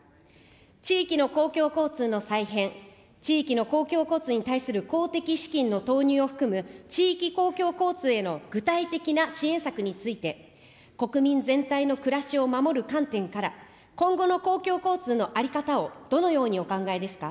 地域の公共交通の再編、地域の公共交通に対する公的資金の投入を含む、地域公共交通への具体的な支援策について、国民全体の暮らしを守る観点から、今後の公共交通の在り方をどのようにお考えですか。